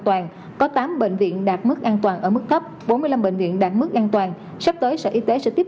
toàn có tám bệnh viện đạt mức an toàn ở mức cấp bốn mươi năm bệnh viện đạt mức an toàn sắp tới sở y tế sẽ tiếp